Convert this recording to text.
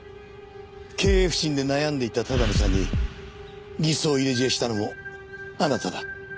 経営不振で悩んでいた多田野さんに偽装を入れ知恵したのもあなただ。